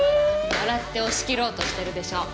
笑って押しきろうとしてるでしょ。